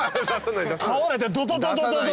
倒れてドドドド。